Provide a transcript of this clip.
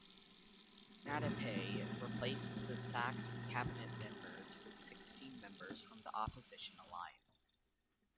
Natapei replaced the sacked cabinet members with sixteen members from the opposition Alliance.